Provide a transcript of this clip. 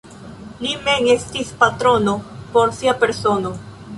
Li mem estas patrono por sia persono.